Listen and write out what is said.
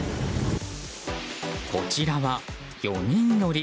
こちらは４人乗り。